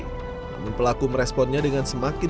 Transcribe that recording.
namun pelaku meresponnya dengan semakin